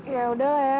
ya udahlah ya